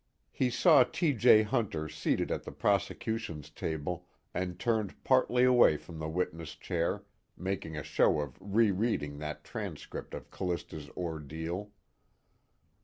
He saw T. J. Hunter seated at the prosecution's table and turned partly away from the witness chair, making a show of rereading that transcript of Callista's ordeal.